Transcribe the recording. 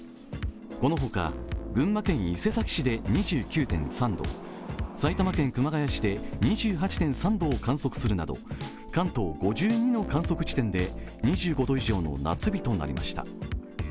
この他、群馬県伊勢崎市で２９．３度、埼玉県熊谷市で２８．３度を観測するなど関東５２の観測地点で２５度以上の夏日となりました。